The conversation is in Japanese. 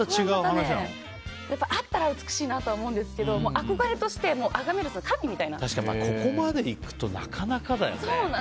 あったら美しいなと思うんですけど憧れとして、あがめる確かに、ここまでいくとなかなかだよね。